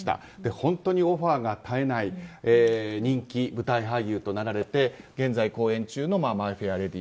本当にオファーが絶えない人気舞台俳優となられて現在公演中の「マイ・フェア・レディ」。